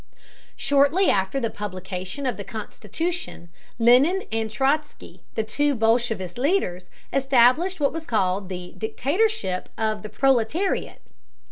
Shortly after the publication of the constitution, Lenin and Trotzky, the two bolshevist leaders, established what was called the "dictatorship of the proletariat."